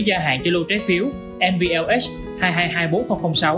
gia hạn cho lô trái phiếu nvlh hai trăm hai mươi hai bốn nghìn sáu